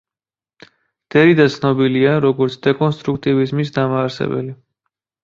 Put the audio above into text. დერიდა ცნობილია, როგორც დეკონსტრუქტივიზმის დამაარსებელი.